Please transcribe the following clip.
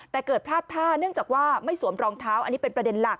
แต่เกิดพลาดท่าเนื่องจากว่าไม่สวมรองเท้าอันนี้เป็นประเด็นหลัก